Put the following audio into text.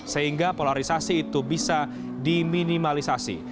sehingga polarisasi itu bisa diminimalisasi